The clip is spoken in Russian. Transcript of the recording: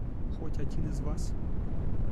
Хоть один из вас?